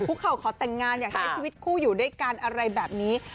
เข่าขอแต่งงานอยากจะให้ชีวิตคู่อยู่ด้วยกันอะไรแบบนี้